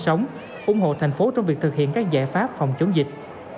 sống ủng hộ thành phố trong việc thực hiện các giải pháp phòng chống dịch